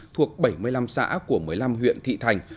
thuộc bảy mươi năm xã của một mươi năm huyện thị thành